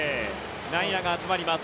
内野が集まります。